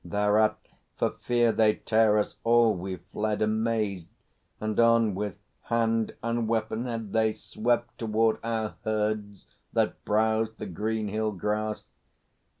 Thereat, for fear they tear us, all we fled Amazed; and on, with hand unweaponèd They swept toward our herds that browsed the green Hill grass.